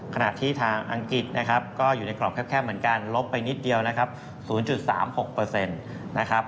ขณะที่ทางอังกฤษนะครับก็อยู่ในกรอบแคบเหมือนกันลบไปนิดเดียวนะครับ๐๓๖นะครับ